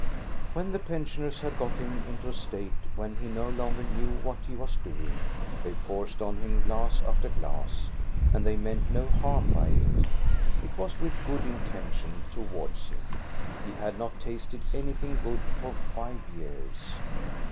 When the pensioners had got him into a state when he no longer knew what he was doing, they GOD'S WAYFARER 341 krced on him glass after glass, and they meant no m by it; it was with good intention towards him, ) had not tasted anything good for five years.